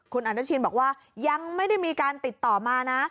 คุณอนุชินบอกว่ายังไม่ได้มีการติดต่อมานะ